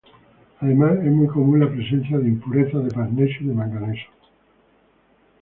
Además, es muy común la presencia de impurezas de magnesio y de manganeso.